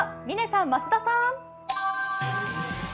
嶺さん、増田さん。